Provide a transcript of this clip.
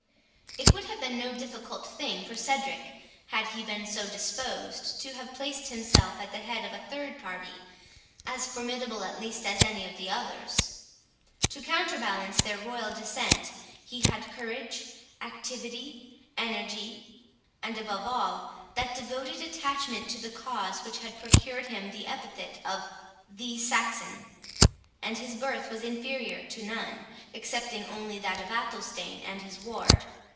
It would have been no difficult thing for Cedric, had he been so disposed, to have placed himself at the head of a third party, as formidable at least as any of the others. To counterbalance their royal descent, he had courage, activity, energy, and, above all, that devoted attachment to the cause which had procured him the epithet of The Saxon, and his birth was inferior to none, excepting only that of Athelstane and his ward.